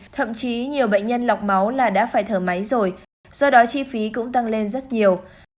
thậm chí nhiều bệnh nhân lọc máu là đã phải thở máy rồi do đó chi phí cũng tăng lên rất nhiều